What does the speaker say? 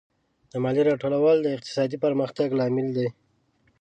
د مالیې راټولول د اقتصادي پرمختګ لامل دی.